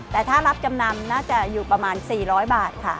แต่ถ้ารับจำนำน่าจะอยู่ประมาณ๔๐๐บาทค่ะ